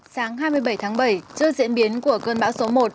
sáng hai mươi bảy tháng bảy trước diễn biến của cơn bão số một